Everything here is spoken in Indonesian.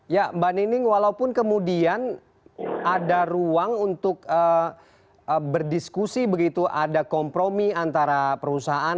ya mbak nining walaupun kemudian ada ruang untuk berdiskusi begitu ada kompromi antara perusahaan